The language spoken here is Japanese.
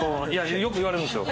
よく言われるんですよ。